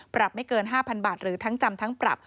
ไม่เกิน๕๐๐๐บาทหรือทั้งจำทั้งปรับ